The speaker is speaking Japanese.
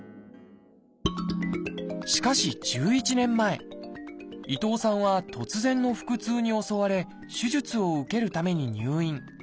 しかし１１年前伊藤さんは突然の腹痛に襲われ手術を受けるために入院。